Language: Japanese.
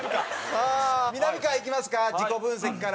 さあみなみかわいきますか自己分析から。